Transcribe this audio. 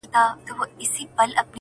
نجلۍ له شرمه پټه ساتل کيږي,